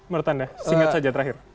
mertanda singkat saja terakhir